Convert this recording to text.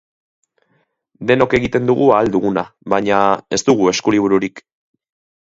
Denok egiten dugu ahal duguna, baina ez dugu eskulibururik.